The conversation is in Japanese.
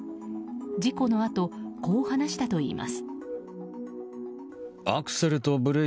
事故のあとこう話したといいます。